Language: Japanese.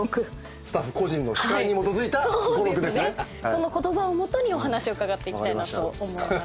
その言葉を基にお話を伺っていきたいなと思います。